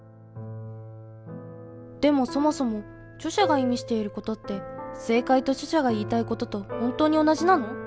でもそもそも著者が意味していることって正解と著者が言いたいことと本当に同じなの？